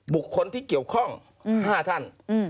บุคคลที่เกี่ยวข้อง๕ท่าน